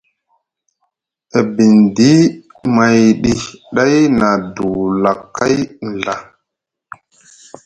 E bindi mayɗi ɗay na duulakay nɵa.